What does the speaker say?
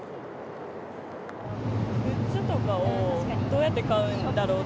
グッズとかをどうやって買うんだろうって。